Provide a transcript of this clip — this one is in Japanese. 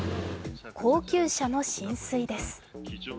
高級車の浸水です。